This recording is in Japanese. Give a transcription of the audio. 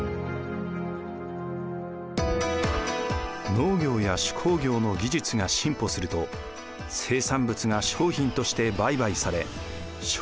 農業や手工業の技術が進歩すると生産物が商品として売買され商業が発達しました。